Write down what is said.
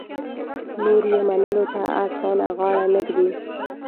نور یې منلو ته اسانه غاړه نه ږدي.